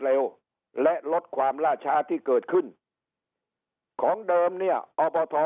เร็วและลดความล่าช้าที่เกิดขึ้นของเดิมเนี่ยอบท